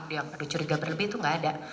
dia pada curiga berlebih itu nggak ada